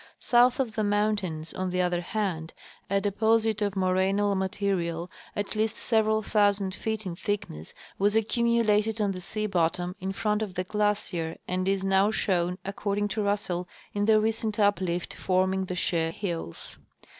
South of the mountains, on the other hand, a deposit of morainal . material at least several thousand feet in thickness Avas accumu lated on the sea bottom in front of the glacier and is now shoAvn, according to Russell, in the recent uplift forming the Chaix hills.